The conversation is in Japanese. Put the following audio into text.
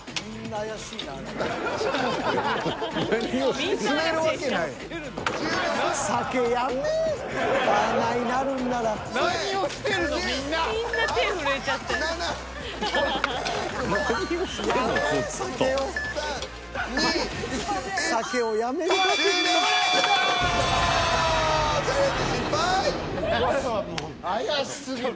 怪しすぎる。